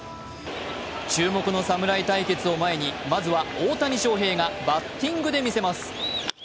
注目の侍対決を前に、まずは大谷翔平がバッティングで見せます。